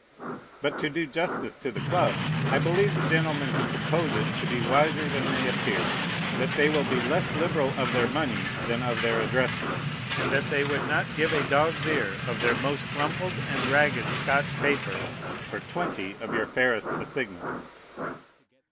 But to do justice to the club, I believe the gentlemen who compose it to be wiser than they appear, that they will be less liberal of their money than of their addresses, and that they would not give a dog's ear of their most rumpled and ragged Scotch paper for twenty of your fairest assignats.